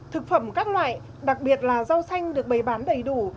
thực phẩm các loại đặc biệt là rau xanh được bày bán đầy đủ